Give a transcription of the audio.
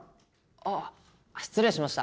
あっ失礼しました。